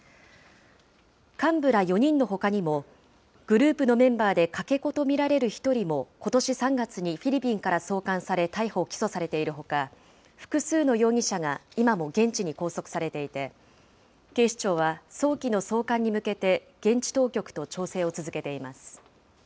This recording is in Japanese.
幹部ら４人のほかにも、グループのメンバーでかけ子と見られる１人も、ことし３月にフィリピンから送還され逮捕・起訴されているほか、複数の容疑者が今も現地に拘束されていて、警視庁は早期の送還に向けて現地当局と調整を続けています。